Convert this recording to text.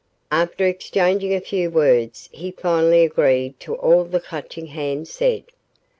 After exchanging a few words he finally agreed to all the Clutching Hand said.